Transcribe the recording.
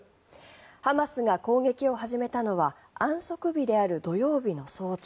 ハマスが攻撃を始めたのは安息日である土曜日の早朝。